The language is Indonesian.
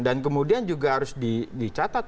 dan kemudian juga harus dicatat